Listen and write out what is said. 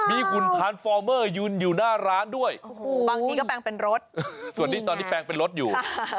มีหุ่นทานฟอร์เมอร์ยืนอยู่หน้าร้านด้วยโอ้โหบางทีก็แปลงเป็นรถส่วนนี้ตอนนี้แปลงเป็นรถอยู่